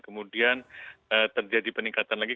kemudian terjadi peningkatan lagi